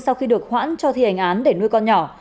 sau khi được hoãn cho thi hành án